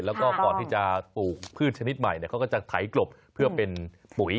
แล้วก็ก่อนที่จะปลูกพืชชนิดใหม่เขาก็จะไถกลบเพื่อเป็นปุ๋ย